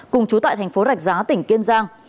cùng chú tại tp rạch giá tỉnh kiên giang